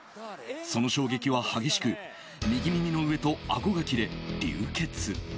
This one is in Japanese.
その衝撃は激しく右耳の上と顎が切れ、流血。